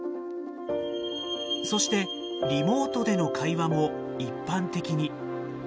そしてリモートでの会話も一般的に。